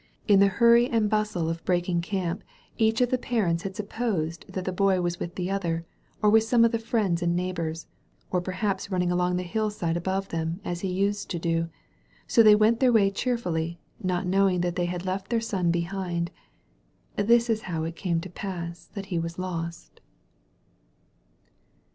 In the hurry and bustle of break ing camp each of the parents had supposed that the Boy was with the other, or with some of the friends and neighbors, or periiaps running along the hillside above them as he used to do. So ihey went their way cheerfuUy, not knowing that thqr had left their son behind. This is how it came to pass that he was lost.